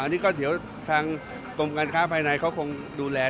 อันนี้ก็เดี๋ยวทางกรมการค้าภายในเขาคงดูแล